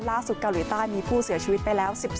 ล่าสุดเกาหลีใต้มีผู้เสียชีวิตไปแล้ว๑๒